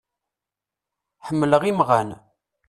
Ḥemmleɣ imɣan.